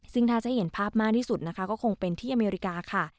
ซึ่งถ้าจะให้เห็นภาพมากที่สุดนะคะก็คงเป็นที่อเมริกาค่ะ